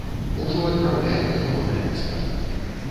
Ужо адпраўляем яго на экспарт.